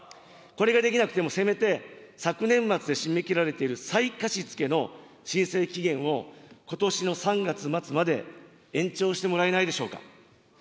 これができなくても、せめて昨年末で締め切られている再貸し付けの申請期限を、ことしの３月末まで延長してもらえないでしょうか。